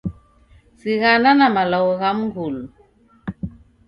Sighana na malagho gha mngulu.